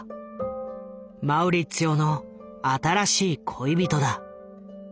マウリッツィオの新しい恋人だ。